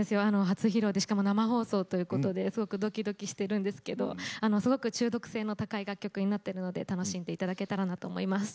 初披露でしかも生放送ということですごくドキドキしてるんですけどすごく中毒性の高い楽曲になってるので楽しんでいただけたらなと思います。